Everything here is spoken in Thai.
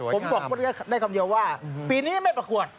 ผมบอกได้คำเดียวว่าปีนี้ไม่ประกวด